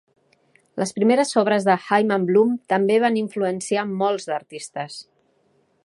Les primeres obres de Hyman Bloom també van influenciar molts d'artistes.